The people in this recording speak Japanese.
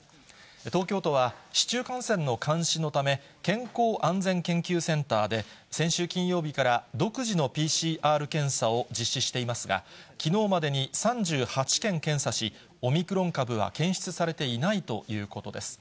東京都は、市中感染の監視のため、健康安全研究センターで、先週金曜日から、独自のＰＣＲ検査を実施していますが、きのうまでに３８件検査し、オミクロン株は検出されていないということです。